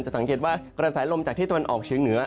สังเกตว่ากระแสลมจากที่ตะวันออกเชียงเหนือ